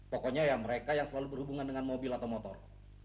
pokoknya ya mereka yang selalu berhubungan dengan mobil atau motor